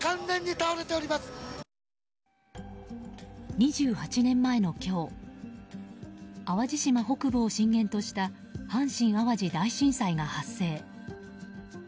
２８年前の今日淡路島北部を震源とした阪神・淡路大震災が発生。